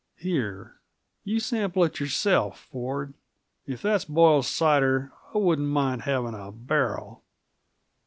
Here: You sample it yourself, Ford. If that's boiled cider, I wouldn't mind having a barrel!"